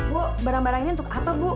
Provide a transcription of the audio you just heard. bu barang barang ini untuk apa bu